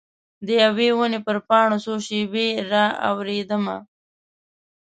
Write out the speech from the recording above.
د یوي ونې پر پاڼو څو شیبې را اوریدمه